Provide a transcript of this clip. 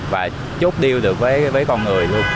và chốt deal được với con người